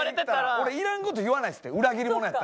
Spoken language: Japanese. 俺いらんこと言わないですって裏切り者やったら。